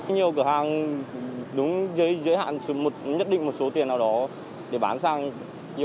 nhiều cửa hàng đúng giới hạn nhất định một số tiền nào đó để bán sang